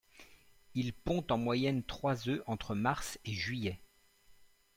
Il pond en moyenne trois œufs entre mars et juillet.